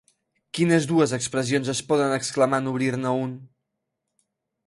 Quines dues expressions es poden exclamar en obrir-ne un?